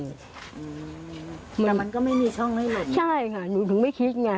แต่มันก็ไม่มีช่องให้หมดใช่ค่ะหนูถึงไม่คิดไง